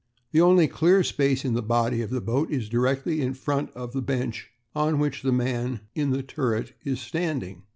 "The only clear space in the body of the boat is directly in front of the bench on which the man in the turret is standing.